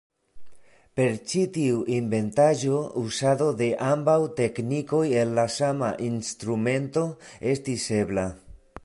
Per ĉi tiu inventaĵo uzado de ambaŭ teknikoj en la sama instrumento estis ebla.